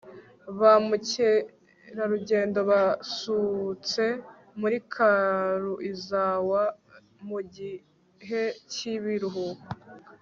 ba mukerarugendo basutse muri karuizawa mugihe cyibiruhuko